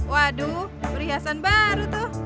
waduh perhiasan baru tuh